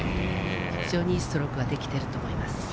非常にいいストロークができていると思います。